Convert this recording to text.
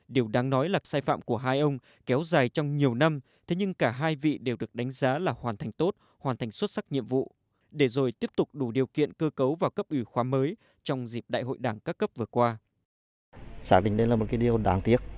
điều đáng nói là sai phạm của hai ông kéo dài trong nhiều năm thế nhưng cả hai vị đều được đánh giá là hoàn thành tốt hoàn thành xuất sắc nhiệm vụ để rồi tiếp tục đủ điều kiện cơ cấu vào cấp ủy khoa mới trong dịp đại hội đảng các cấp vừa qua